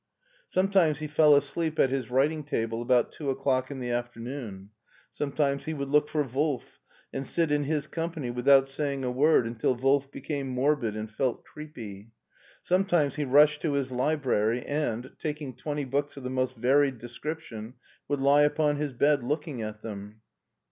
Sometimes he fell asleep at his writing table about two o'clock in the afternoon ; sometimes he would look for Wolf, and sit in his company without saying a word until Wolf became morbid and felt creepy. Scnnetimes he rushed to his library and, taking twenty books of the most varied description, would lie upon his bed looking at them.